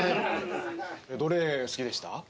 どれ好きでした？